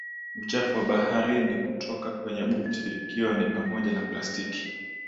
Uchafu wa baharini kutoka kwenye boti ikiwa ni pamoja na plastiki